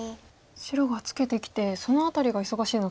白がツケてきてその辺りが忙しいのかと思ったんですが。